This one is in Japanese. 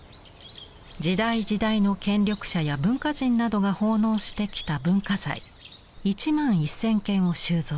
時代時代の権力者や文化人などが奉納してきた文化財１万１，０００件を収蔵